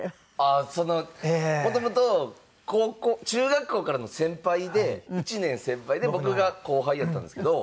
ああそのもともと中学校からの先輩で１年先輩で僕が後輩やったんですけど。